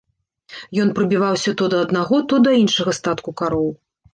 Ён прыбіваўся то да аднаго, то да іншага статку кароў.